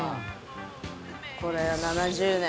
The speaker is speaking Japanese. これ７０年。